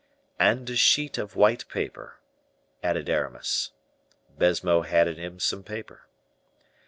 "And a sheet of white paper," added Aramis. Baisemeaux handed him some paper.